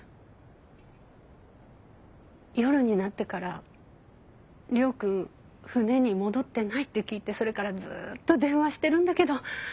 夜になってから亮君船に戻ってないって聞いてそれからずっと電話してるんだけど出ないのよ。